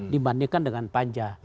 dibandingkan dengan panja